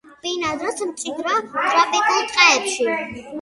ბინადრობს მჭიდრო ტროპიკულ ტყეებში.